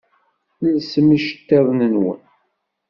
Lsem iceṭṭiḍen-nwen!